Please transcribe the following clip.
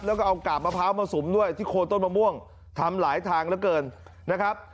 แล้วก็เอากาบมะพร้าวมาสุมด้วยที่โคนต้นมะม่วงทำหลายทางเหลือเกินนะครับ